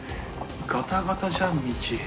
ガタガタじゃん道。